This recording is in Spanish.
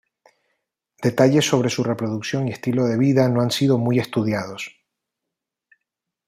Detalles sobre su reproducción y estilo de vida no han sido muy estudiados.